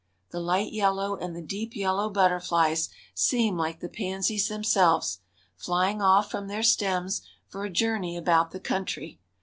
The light yellow and the deep yellow butterflies seem like the pansies themselves, flying off from their stems for a journey about the country.